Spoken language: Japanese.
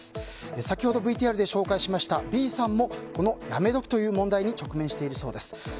先ほどＶＴＲで紹介したＢさんも、やめ時に直面しているそうです。